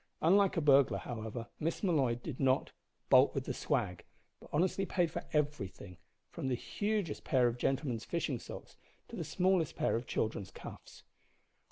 Unlike a burglar, however, Miss Molloy did not "bolt with the swag," but honestly paid for everything, from the hugest pair of gentlemen's fishing socks to the smallest pair of children's cuffs.